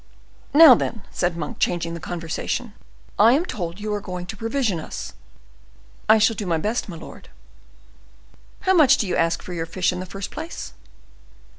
"Now, then," said Monk, changing the conversation, "I am told you are going to provision us." "I shall do my best, my lord." "How much do you ask for your fish in the first place?"